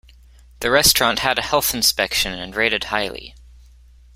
The restaurant had a health inspection and rated highly.